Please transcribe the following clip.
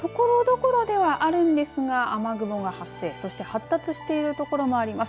ところどころではあるんですが雨雲が発達しているところもあります。